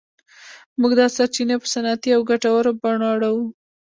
موږ دا سرچینې په صنعتي او ګټورو بڼو اړوو.